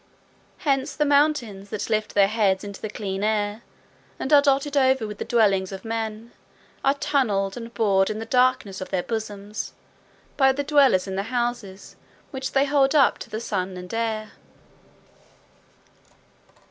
Hence the mountains that lift their heads into the clear air, and are dotted over with the dwellings of men, are tunnelled and bored in the darkness of their bosoms by the dwellers in the houses which they hold up to the sun and air.